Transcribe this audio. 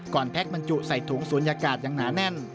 แพ็คบรรจุใส่ถุงศูนยากาศอย่างหนาแน่น